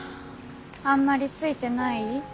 あんまりついてない？